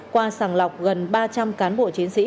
qua sàng lọc gần ba trăm linh cán bộ chiến sĩ